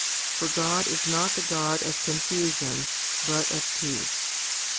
For God is not the God of confusion, but of peace.